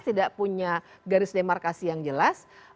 tidak punya garis demarkasi yang jelas